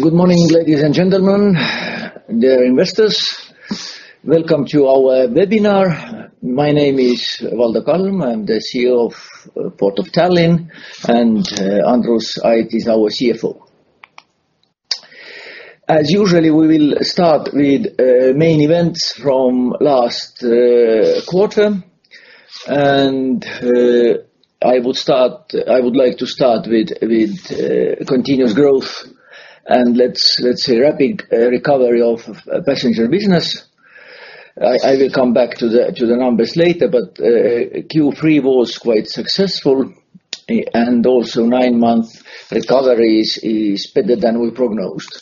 Good morning, ladies and gentlemen, dear investors. Welcome to our webinar. My name is Valdo Kalm. I'm the CEO of Port of Tallinn, and Andrus Ait is our CFO. As usual, we will start with main events from last quarter. I would like to start with continuous growth, and let's say, rapid recovery of passenger business. I will come back to the numbers later, but Q3 was quite successful, and also nine-month recovery is better than we prognosed.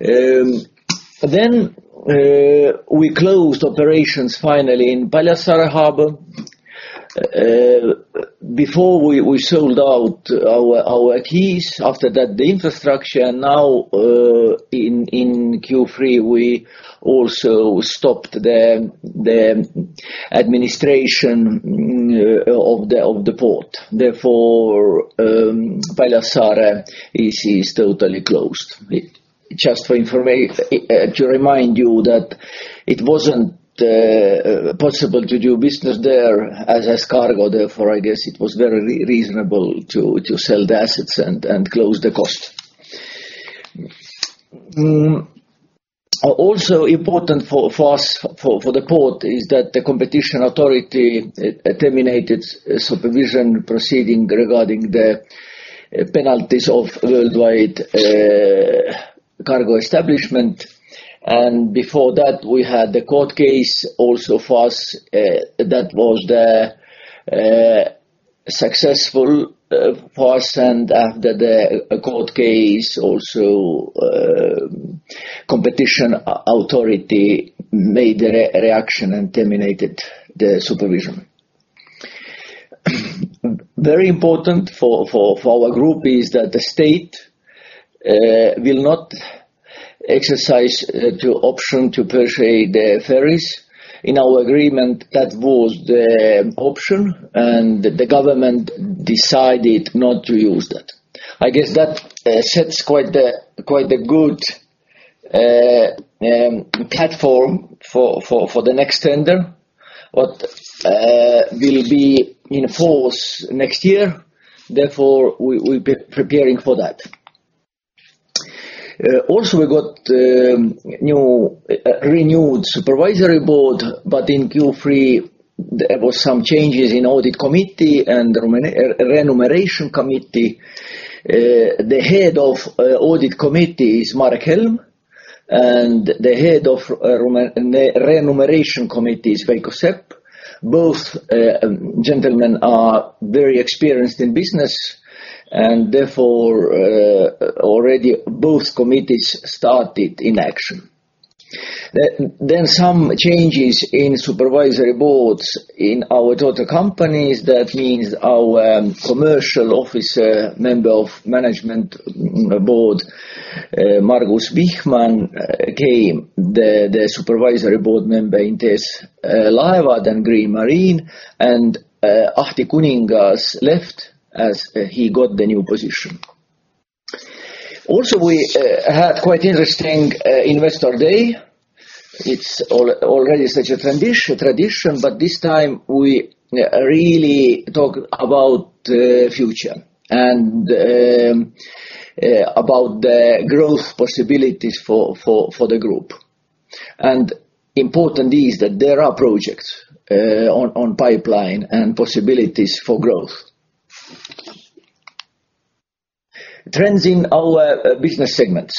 We closed operations finally in Paljassaare Harbour. Before we sold out our quays, after that, the infrastructure, now in Q3, we also stopped the administration of the port. Therefore, Paljassaare is totally closed. Just to remind you that it wasn't possible to do business there as cargo, therefore, I guess it was very reasonable to sell the assets and close the cost. Also important for us, for the port is that the competition authority terminated supervision proceeding regarding the penalties of worldwide cargo establishment. Before that, we had the court case also for us that was successful for us. After the court case, also, competition authority made a reaction and terminated the supervision. Very important for our group is that the state will not exercise the option to purchase the ferries. In our agreement, that was the option, and the government decided not to use that. I guess that sets quite a good platform for the next tender that will be in force next year. Therefore we preparing for that. Also we got newly renewed supervisory board, but in Q3 there was some changes in audit committee and remuneration committee. The head of audit committee is Marek Helm, and the head of remuneration committee is Veiko Sepp. Both gentlemen are very experienced in business, and therefore already both committees started in action. Some changes in supervisory boards in our daughter companies. That means our commercial officer, member of management board, Margus Vihman, became the supervisory board member in TS Laevad and Green Marine, and Ahti Kuningas left as he got the new position. We had quite interesting investor day. It's already such a tradition, but this time we really talk about the future and about the growth possibilities for the group. Important is that there are projects in the pipeline and possibilities for growth. Trends in our business segments.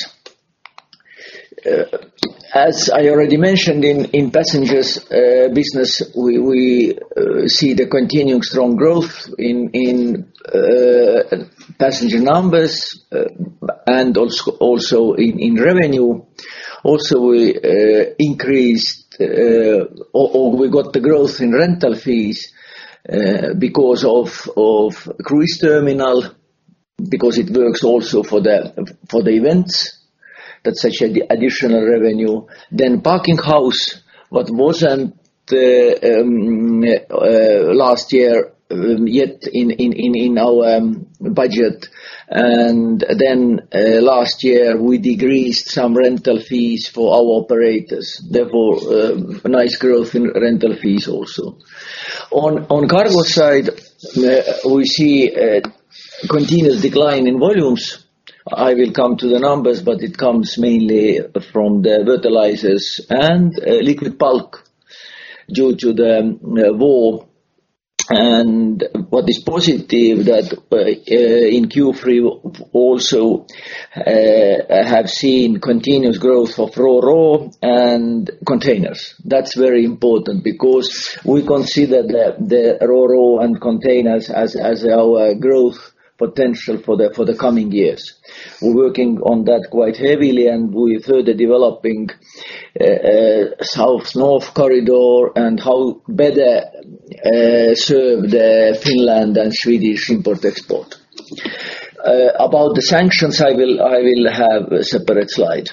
As I already mentioned in passengers business, we see the continuing strong growth in passenger numbers and also in revenue. We increased or we got the growth in rental fees because of cruise terminal, because it works also for the events. That's actually additional revenue. Parking house what wasn't last year yet in our budget. Last year, we decreased some rental fees for our operators, therefore, nice growth in rental fees also. On the cargo side, we see a continuous decline in volumes. I will come to the numbers, but it comes mainly from the fertilizers and liquid bulk due to the war. What is positive that in Q3 also have seen continuous growth of Ro-Ro and Containers. That's very important because we consider the Ro-Ro and Containers as our growth potential for the coming years. We're working on that quite heavily, and we're further developing North-South corridor and how better serve the Finnish and Swedish import-export. About the sanctions, I will have a separate slide.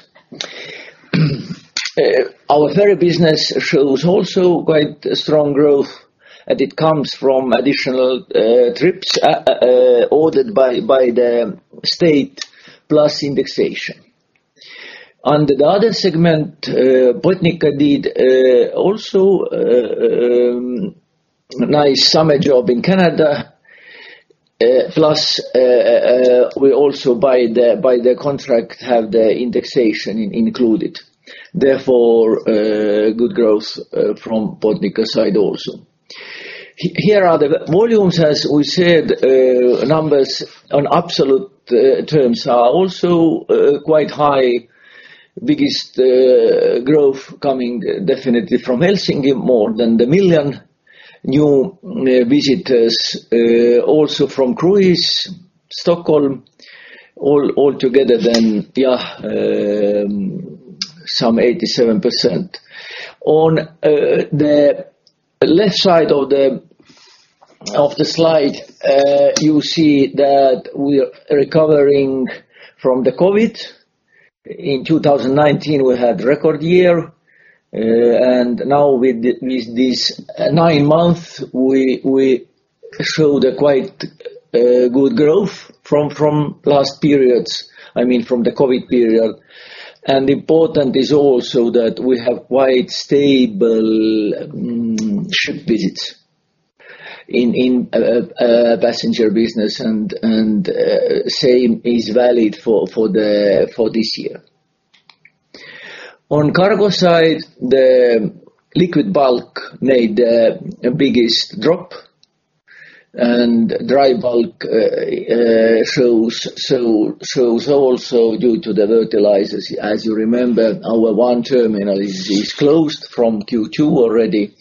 Our ferry business shows also quite strong growth, and it comes from additional trips ordered by the state plus indexation. Under the other segment, Botnica did also nice summer job in Canada. Plus, we also by the contract have the indexation included. Therefore, good growth from Botnica side also. Here are the volumes. As we said, numbers on absolute terms are also quite high. Biggest growth coming definitely from Helsinki, more than one million new visitors also from cruise, Stockholm, all together then some 87%. On the left side of the slide, you see that we are recovering from the COVID. In 2019, we had record year. Now with this nine months, we showed a quite good growth from last periods, I mean, from the COVID period. Important is also that we have quite stable ship visits in passenger business and same is valid for this year. On cargo side, the liquid bulk made the biggest drop, and dry bulk shows also due to the fertilizers. As you remember, our one terminal is closed from Q2 already.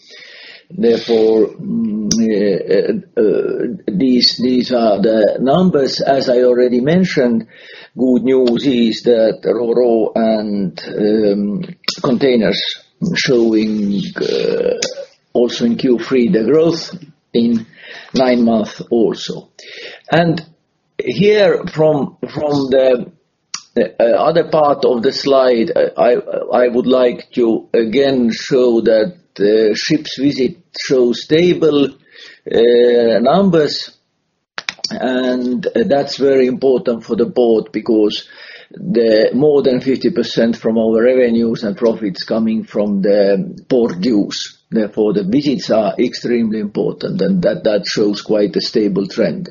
Therefore, these are the numbers. As I already mentioned, good news is that roro and containers showing also in Q3, the growth in nine months also. From the other part of the slide, I would like to again show that the ship visits show stable numbers, and that's very important for the port because more than 50% from our revenues and profits coming from the port dues, therefore, the visits are extremely important and that shows quite a stable trend.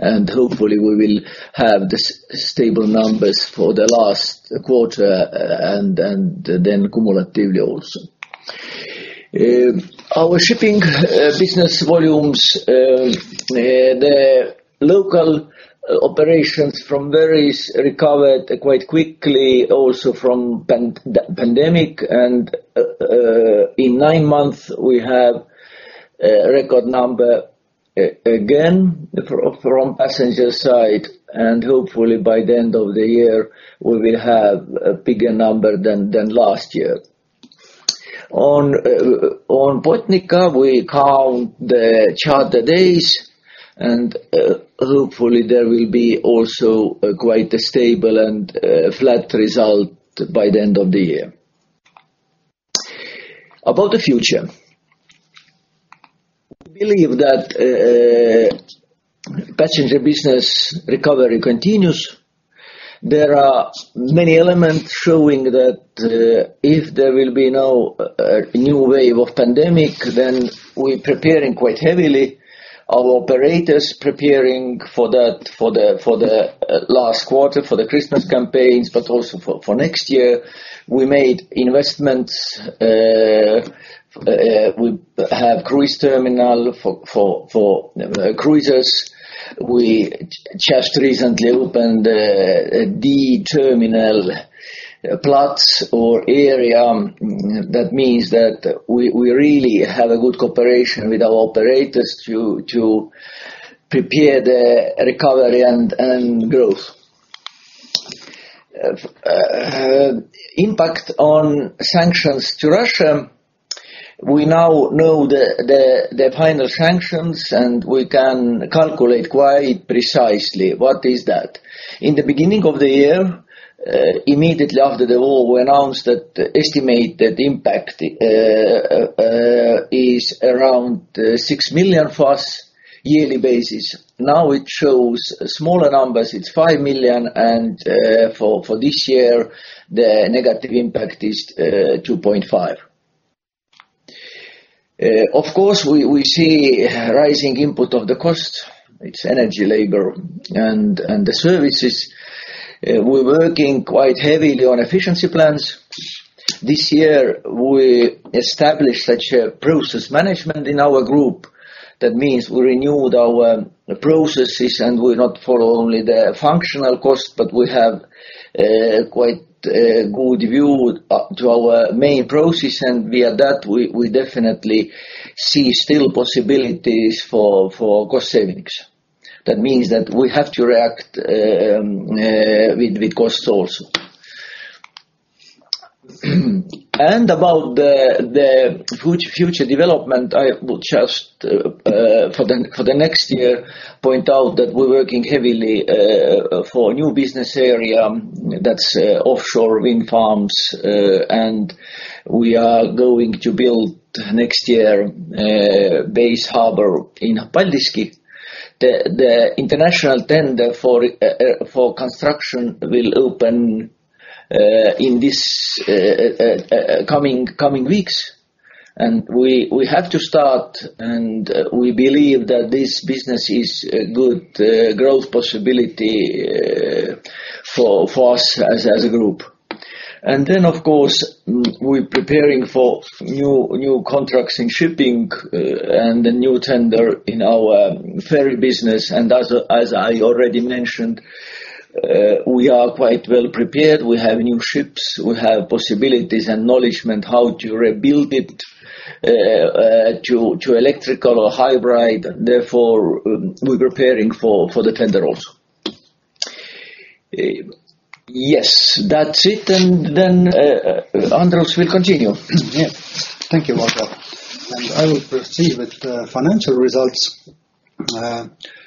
Hopefully, we will have the stable numbers for the last quarter, and then cumulatively also. Our shipping business volumes, the local operations have recovered quite quickly, also from pandemic. In nine months, we have record number again from passenger side, and hopefully, by the end of the year, we will have a bigger number than last year. On Botnica, we count the charter days, and hopefully, there will be also a quite stable and flat result by the end of the year. About the future. We believe that passenger business recovery continues. There are many elements showing that if there will be now a new wave of pandemic, then we're preparing quite heavily. Our operators preparing for that, for the last quarter, for the Christmas campaigns, but also for next year. We made investments. We have cruise terminal for cruisers. We just recently opened the terminal plots or area. That means that we really have a good cooperation with our operators to prepare the recovery and growth. Impact on sanctions to Russia, we now know the final sanctions, and we can calculate quite precisely what is that. In the beginning of the year, immediately after the war, we announced that estimated impact is around 6 million for us yearly basis. Now it shows smaller numbers. It's 5 million, and for this year, the negative impact is 2.5 million. Of course, we see rising input costs. It's energy, labor, and the services. We're working quite heavily on efficiency plans. This year, we established such a process management in our group. That means we renewed our processes, and we're not only for the functional costs, but we have quite a good view to our main process, and via that, we definitely see still possibilities for cost savings. That means that we have to react with costs also. About the future development, I will just for the next year point out that we're working heavily for a new business area that's offshore wind farms. We are going to build next year base harbour in Paldiski. The international tender for construction will open in this coming weeks. We have to start, and we believe that this business is a good growth possibility for us as a group. Of course, we're preparing for new contracts in shipping and a new tender in our ferry business. As I already mentioned, we are quite well prepared. We have new ships. We have possibilities and knowledge how to rebuild it to electrical or hybrid. Therefore, we're preparing for the tender also. Yes, that's it. Andrus will continue. Yeah. Thank you, Valto. I will proceed with the financial results.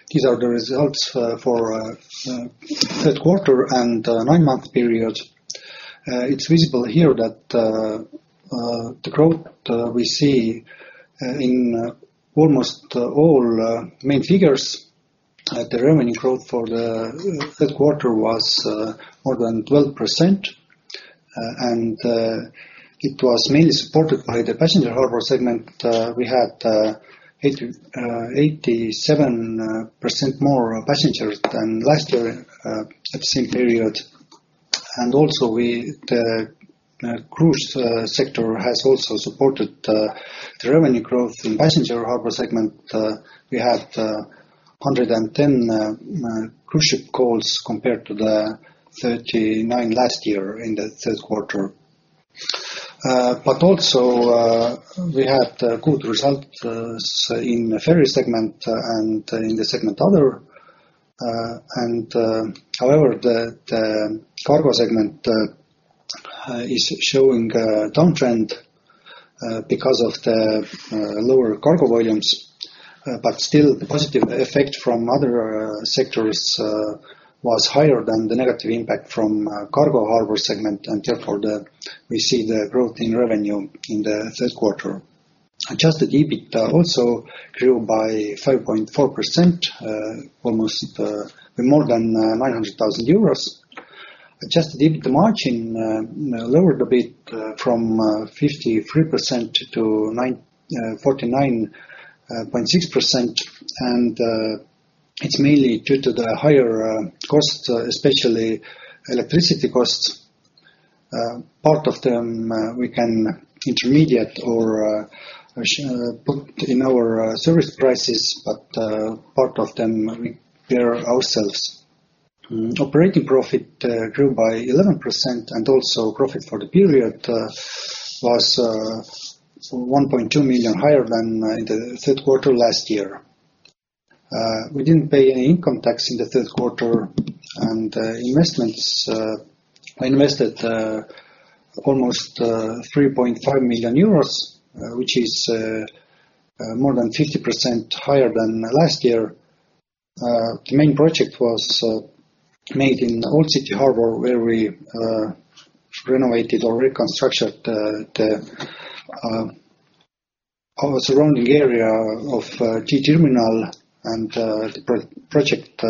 These are the results for third quarter and nine-month period. It's visible here that the growth we see in almost all main figures. The revenue growth for the third quarter was more than 12%. It was mainly supported by the passenger harbour segment. We had 87% more passengers than last year at the same period. The cruise sector has also supported the revenue growth. In passenger harbour segment, we had 110 cruise ship calls compared to the 39 last year in the third quarter. We had a good result in the ferry segment and in the segment other. However, the cargo segment is showing a downtrend because of the lower cargo volumes. Still the positive effect from other sectors was higher than the negative impact from cargo harbour segment. Therefore, we see the growth in revenue in the third quarter. Adjusted EBIT also grew by 5.4%, almost more than 900,000 euros. Adjusted EBIT margin lowered a bit from 53% to 49.6%. It's mainly due to the higher costs, especially electricity costs. Part of them we can intermediate or put in our service prices, but part of them we bear ourselves. Operating profit grew by 11%, and also profit for the period was 1.2 million higher than in the third quarter last year. We didn't pay any income tax in the third quarter. Investments, we invested almost 3.5 million euros, which is more than 50% higher than last year. The main project was made in Old City Harbour, where we renovated or reconstructed all the surrounding area of D Terminal. The project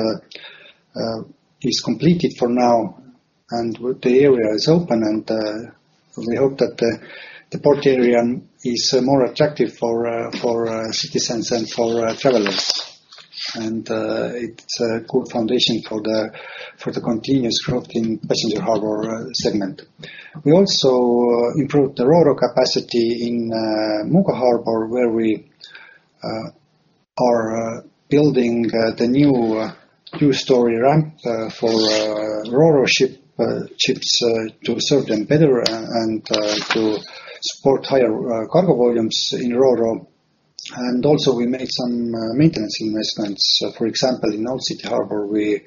is completed for now, and the area is open. We hope that the port area is more attractive for citizens and for travelers. It's a good foundation for the continuous growth in passenger harbour segment. We also improved the ro-ro capacity in Muuga Harbour, where we are building the new two-story ramp for ro-ro ships to serve them better and to support higher cargo volumes in ro-ro. We made some maintenance investments. For example, in Old City Harbour, we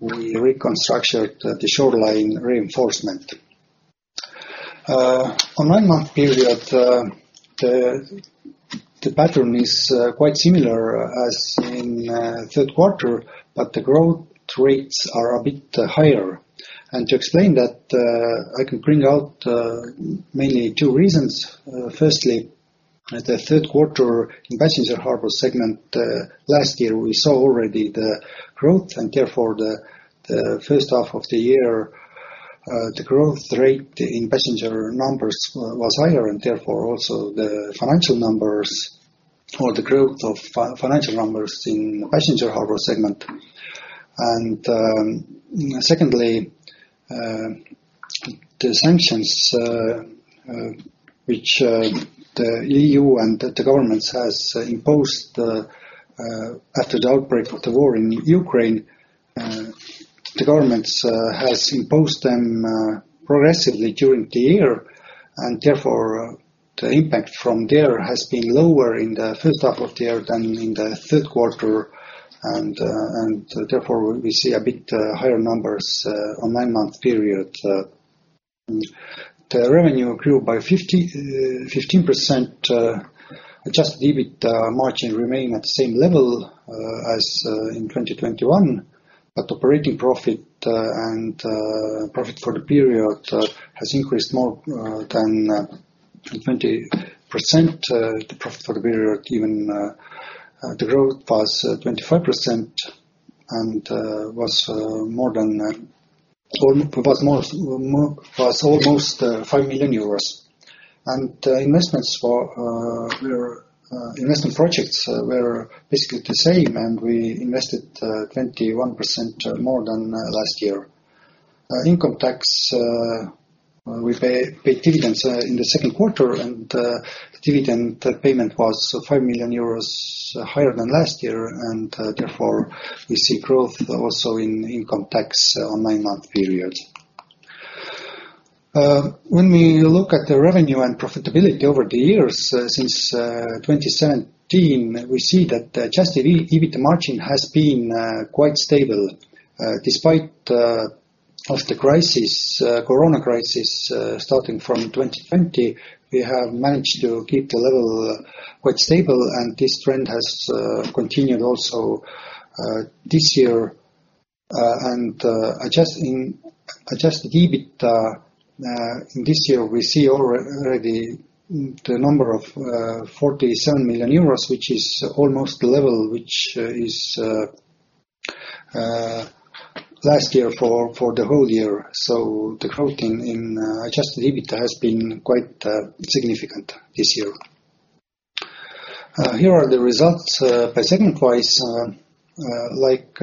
reconstructed the shoreline reinforcement. On nine-month period, the pattern is quite similar as in third quarter, but the growth rates are a bit higher. To explain that, I can bring out mainly two reasons. Firstly, the third quarter in passenger harbour segment last year, we saw already the growth. Therefore, the first half of the year, the growth rate in passenger numbers was higher and therefore, also the financial numbers or the growth of financial numbers in the passenger harbour segment. Secondly, the sanctions which the EU and the governments has imposed after the outbreak of the war in Ukraine, the governments has imposed them progressively during the year. Therefore, the impact from there has been lower in the first half of the year than in the third quarter. Therefore we see a bit higher numbers on nine-month period. The revenue grew by 15%, adjusted EBIT margin remain at the same level as in 2021. Operating profit and profit for the period has increased more than 20%. The profit for the period even the growth was 25% and was almost EUR 5 million. Investments were basically the same for investment projects, and we invested 21% more than last year. Income tax we pay dividends in the second quarter, and dividend payment was 5 million euros higher than last year. Therefore, we see growth also in income tax on nine-month period. When we look at the revenue and profitability over the years since 2017, we see that the adjusted EBIT margin has been quite stable despite of the crisis, Corona crisis, starting from 2020. We have managed to keep the level quite stable, and this trend has continued also this year. Adjusted EBIT in this year, we see already the number of 47 million euros, which is almost the level which is last year for the whole year. The growth in adjusted EBIT has been quite significant this year. Here are the results by segment-wise. Like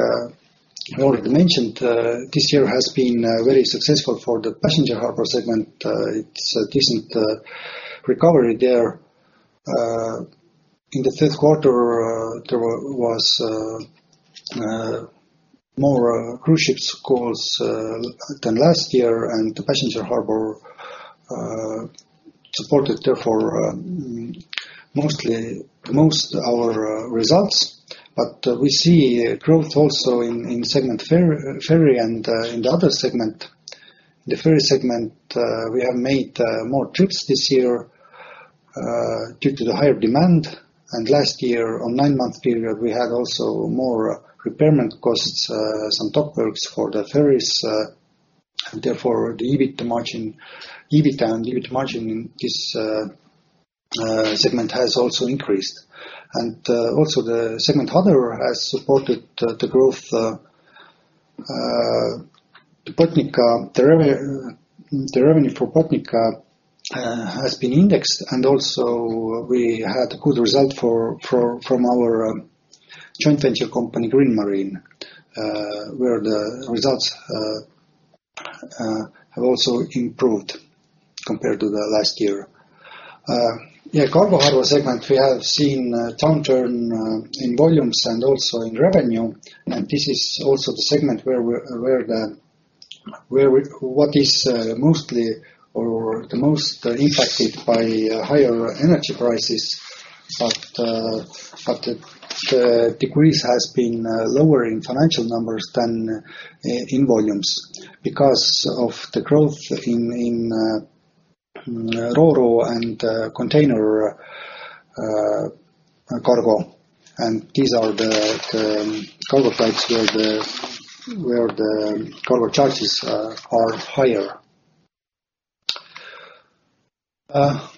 I already mentioned, this year has been very successful for the passenger harbour segment. It's a decent recovery there. In the third quarter, there was more cruise ship calls than last year. The passenger harbour supported therefore most of our results. We see growth also in segment ferry and in the other segment. The ferry segment we have made more trips this year due to the higher demand. Last year, on nine-month period, we had also more repair costs, some dock works for the ferries. Therefore, the EBIT and EBIT margin in this segment has also increased. Also the other segment has supported the growth to Botnica. The revenue for Botnica has been indexed. We had good result from our joint venture company, Green Marine, where the results have also improved compared to the last year. Cargo harbour segment we have seen a downturn in volumes and also in revenue. This is also the segment where what is mostly or the most impacted by higher energy prices. The decrease has been lower in financial numbers than in volumes because of the growth in ro-ro and container cargo. These are the cargo types where the cargo charges are higher.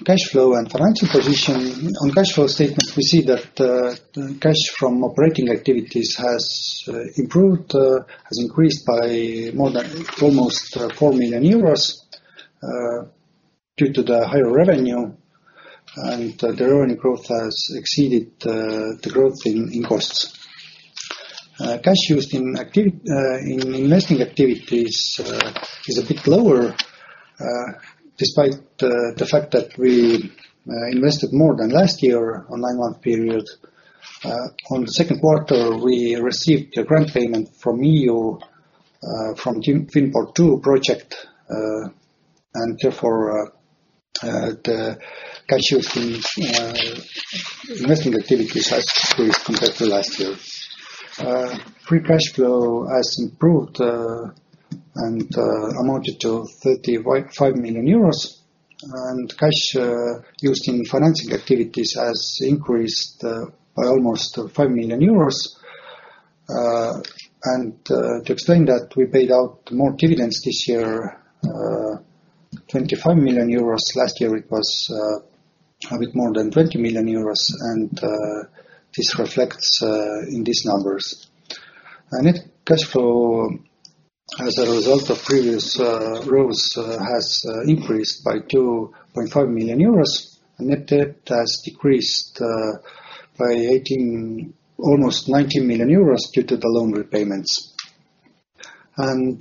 Cash flow and financial position. On cash flow statement, we see that cash from operating activities has improved, has increased by more than almost 4 million euros due to the higher revenue. The revenue growth has exceeded the growth in costs. Cash used in investing activities is a bit lower despite the fact that we invested more than last year on nine-month period. On the second quarter, we received a grant payment from EU, from TWIN-PORT 2 project, and therefore, the cash used in investing activities has increased compared to last year. Free cash flow has improved, and amounted to 35 million euros. Cash used in financing activities has increased by almost EUR 5 million. To explain that, we paid out more dividends this year, 25 million euros. Last year it was a bit more than 20 million euros. This reflects in these numbers. Net cash flow, as a result of previous growth, has increased by 2.5 million euros. Net debt has decreased by 18, almost 19 million euros due to the loan repayments. On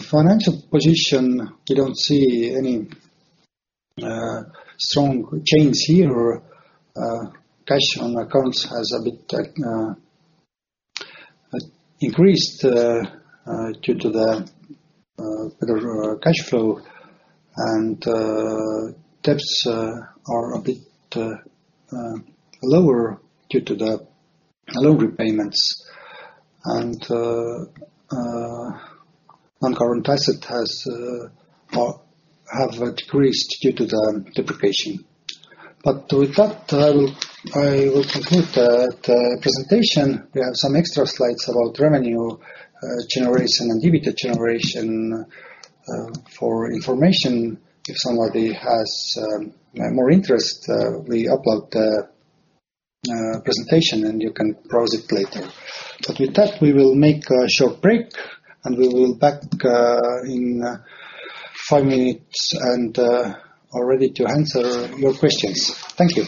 financial position, we don't see any strong change here. Cash on accounts has a bit increased due to the better cash flow and debts are a bit lower due to the loan repayments and non-current assets have decreased due to the depreciation. With that, I will conclude the presentation. We have some extra slides about revenue generation and dividend generation for information. If somebody has more interest, we upload the presentation and you can browse it later. With that, we will make a short break, and we'll be back in five minutes and are ready to answer your questions. Thank you.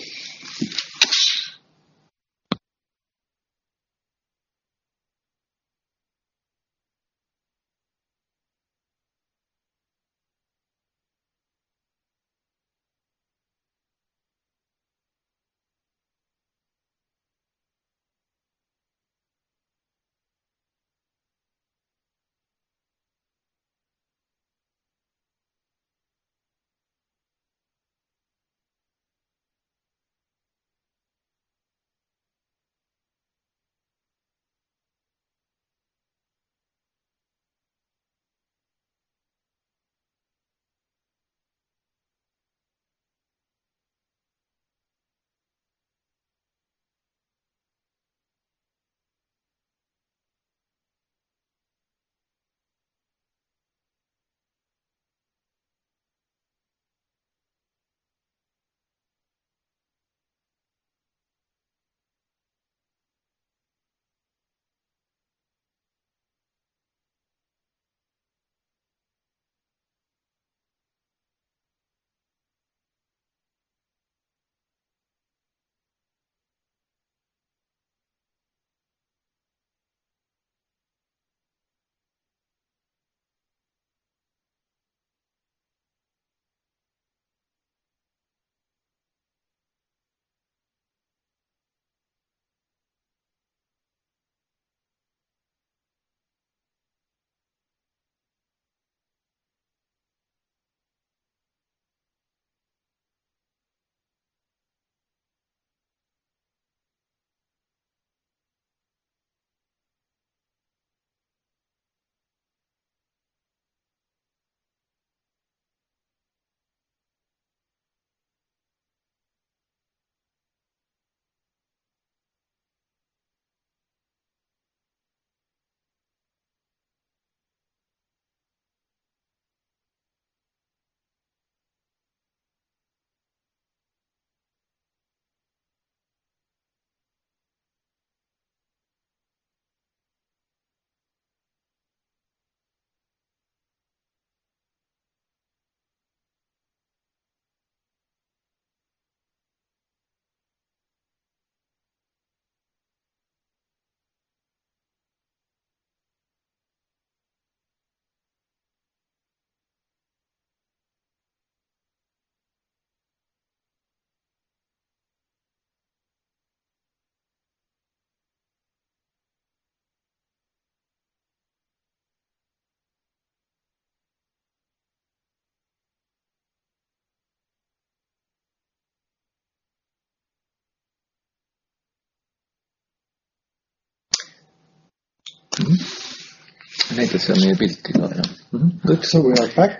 Mm-hmm. We are back.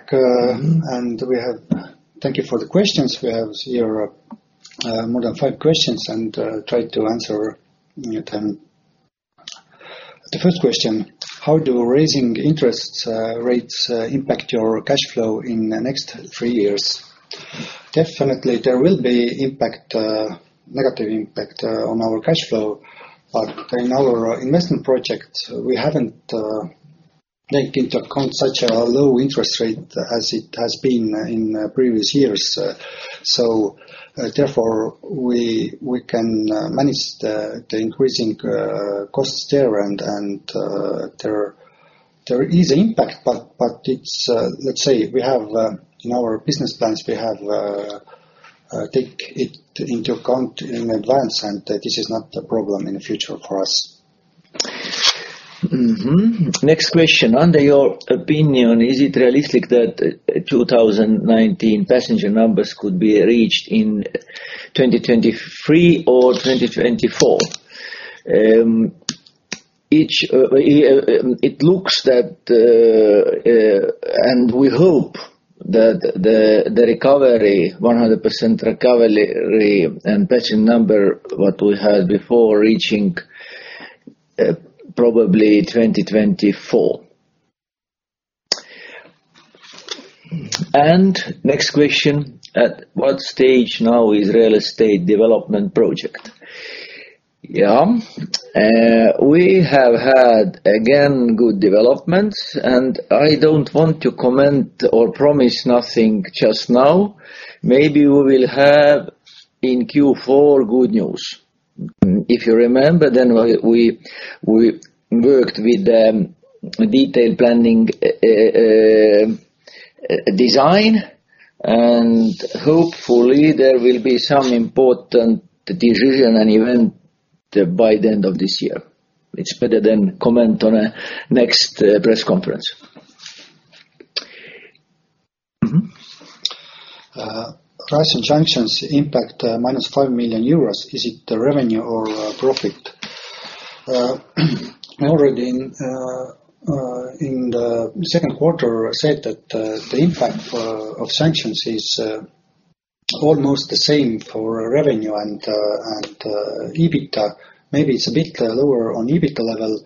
Mm-hmm Thank you for the questions. We have here more than five questions, and try to answer them. The first question: How do raising interest rates impact your cash flow in the next three years? Definitely, there will be impact, negative impact, on our cash flow. In our investment project, we haven't taken into account such a low interest rate as it has been in previous years. Therefore, we can manage the increasing costs there, and there is impact. It's. Let's say we have in our business plans, we have taken it into account in advance, and this is not a problem in the future for us. Mm-hmm. Next question: Under your opinion, is it realistic that 2019 passenger numbers could be reached in 2023 or 2024? It looks that we hope that the recovery, 100% recovery and passenger number what we had before reaching probably 2024. Next question: At what stage now is real estate development project? Yeah. We have had again good developments, and I don't want to comment or promise nothing just now. Maybe we will have in Q4 good news. If you remember, then we worked with the detailed planning, design, and hopefully there will be some important decision and event by the end of this year. It's better to comment on a next press conference. Price and sanctions impact, -EUR 5 million, is it the revenue or profit? Already in the second quarter said that the impact of sanctions is almost the same for revenue and EBITDA. Maybe it's a bit lower on EBITDA level,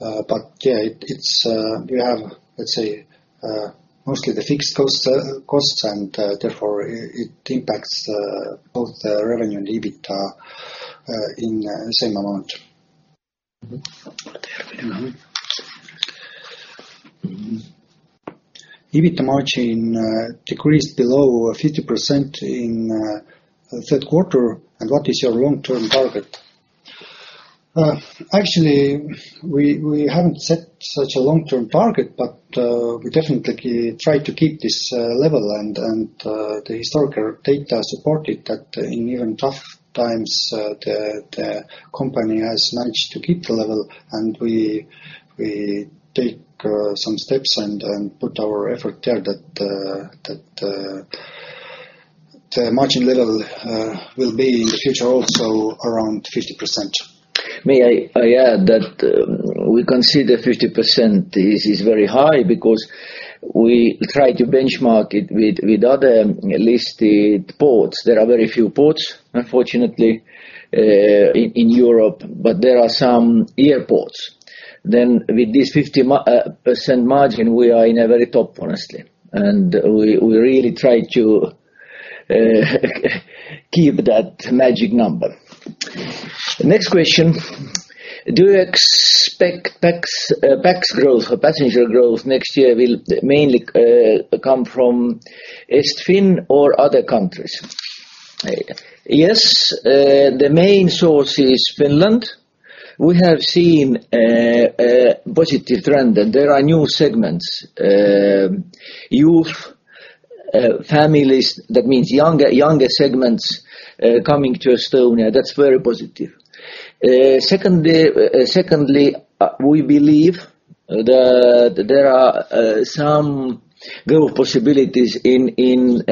but yeah, it's we have, let's say, mostly the fixed costs and therefore it impacts both the revenue and EBITDA in the same amount. Mm-hmm. EBITDA margin decreased below 50% in the third quarter, and what is your long-term target? Actually we haven't set such a long-term target, but we definitely try to keep this level and the historical data support it that in even tough times the company has managed to keep the level and we take some steps and put our effort there that the margin level will be in the future also around 50%. May I add that we consider 50% is very high because we try to benchmark it with other listed ports. There are very few ports, unfortunately, in Europe, but there are some airports. With this 50% margin, we are in a very top, honestly, and we really try to keep that magic number. Next question, do you expect pax growth or passenger growth next year will mainly come from Estonia-Finland or other countries? Yes, the main source is Finland. We have seen a positive trend, and there are new segments, youth, families, that means younger segments coming to Estonia. That's very positive. Secondly, we believe that there are some growth possibilities in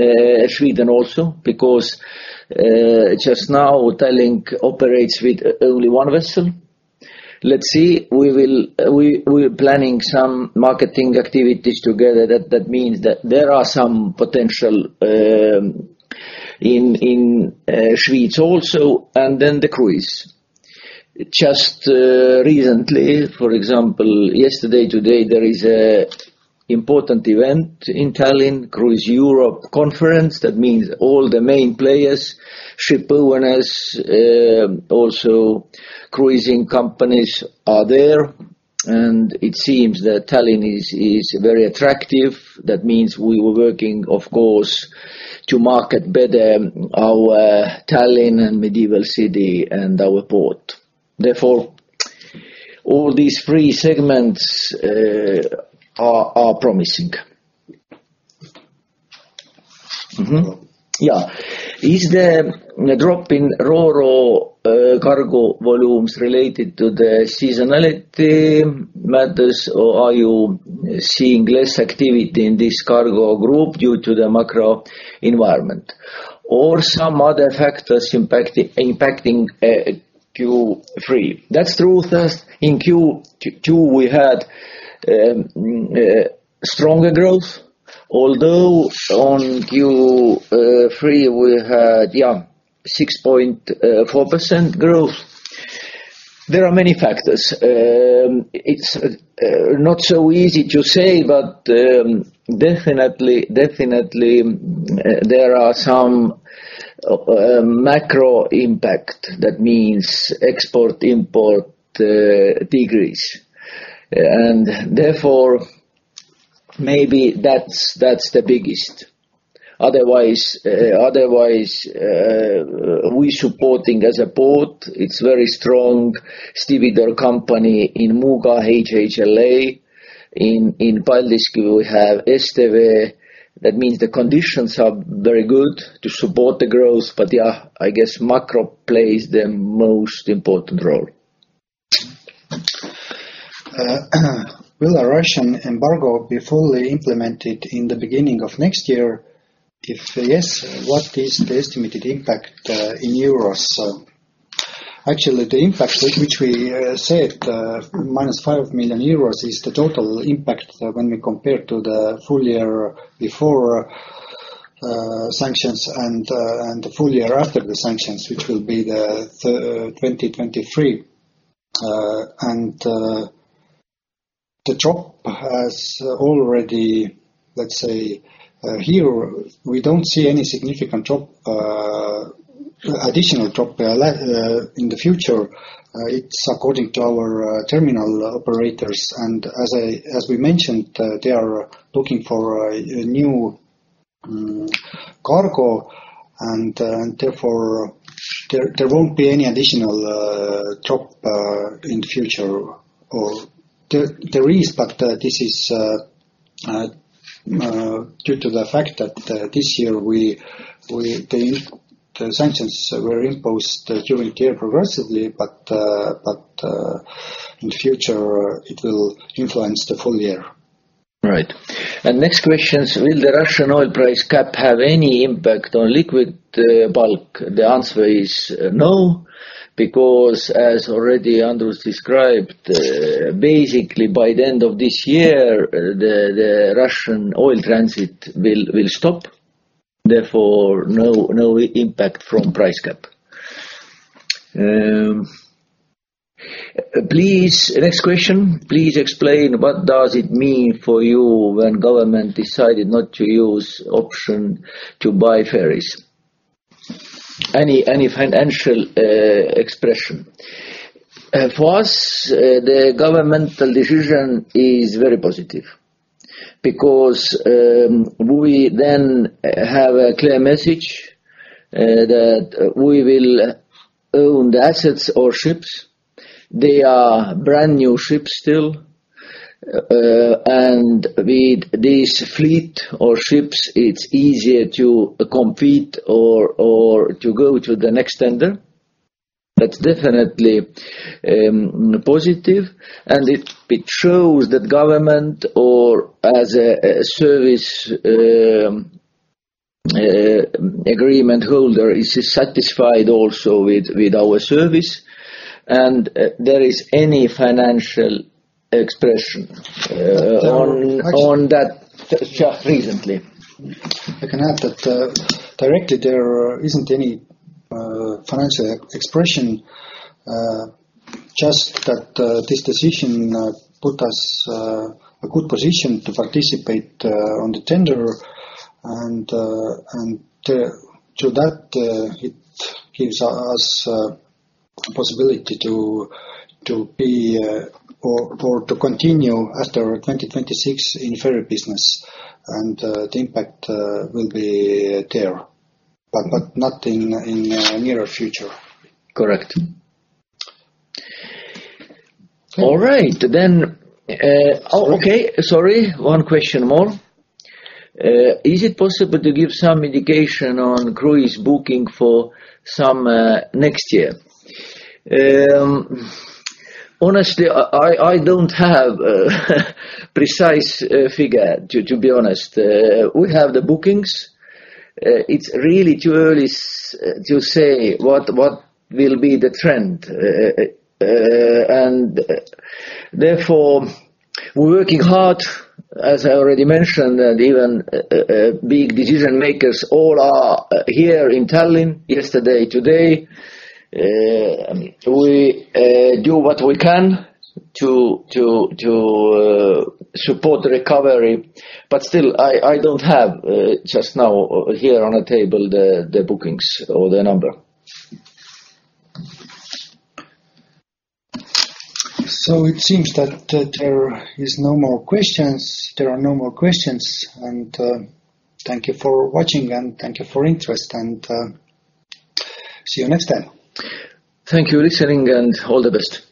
Sweden also because just now Tallink operates with only one vessel. We're planning some marketing activities together that means that there are some potential in Swedes also, and then the cruise. Just recently, for example, yesterday, today, there is an important event in Tallink, Cruise Europe Conference. That means all the main players, shipowners, also cruising companies are there. It seems that Tallink is very attractive. That means we were working, of course, to market better our Tallink and medieval city and our port. Therefore, all these three segments are promising. Yeah. Is the drop in Ro-Ro cargo volumes related to the seasonality matters, or are you seeing less activity in this cargo group due to the macro environment or some other factors impacting Q3? That's true. First, in Q2, we had stronger growth, although in Q3, we had 6.4% growth. There are many factors. It's not so easy to say, but definitely there are some macro impact. That means export, import decrease. Therefore, maybe that's the biggest. Otherwise, we supporting as a port. It's very strong stevedore company in Muuga, HHLA. In Paldiski, we have Steveco. That means the conditions are very good to support the growth. Yeah, I guess macro plays the most important role. Will a Russian embargo be fully implemented in the beginning of next year? If yes, what is the estimated impact in euros? Actually, the impact which we said, minus 5 million euros is the total impact when we compare to the full year before sanctions and the full year after the sanctions, which will be 2023. The drop has already, let's say, here we don't see any significant drop, additional drop in the future. It's according to our terminal operators. As we mentioned, they are looking for new customers, cargo, and therefore there won't be any additional drop in the future or there is, but this is due to the fact that this year we... The sanctions were imposed during the year progressively but in the future it will influence the full year. Right. Next question is, will the Russian oil price cap have any impact on liquid bulk? The answer is no, because as already Andrus described, basically by the end of this year, the Russian oil transit will stop, therefore no impact from price cap. Please. Next question. Please explain what does it mean for you when government decided not to use option to buy ferries? Any financial expression. For us, the governmental decision is very positive because we then have a clear message that we will own the assets or ships. They are brand new ships still, and with this fleet or ships, it's easier to compete or to go to the next tender. That's definitely positive, and it shows that the government, as a service agreement holder, is satisfied also with our service and there isn't any financial exception on that just recently. I can add that, directly there isn't any financial expression, just that this decision put us a good position to participate on the tender and to that it gives us a possibility to be or to continue after 2026 in ferry business. The impact will be there. Nothing in the nearer future. Correct. All right. Okay. Sorry, one question more. Is it possible to give some indication on cruise booking for some next year? Honestly, I don't have a precise figure to be honest. We have the bookings. It's really too early to say what will be the trend. Therefore, we're working hard, as I already mentioned, and even big decision makers all are here in Tallinn yesterday, today. We do what we can to support the recovery. Still, I don't have just now here on the table the bookings or the number. It seems that there are no more questions. Thank you for watching, and thank you for interest, and see you next time. Thank you for listening, and all the best.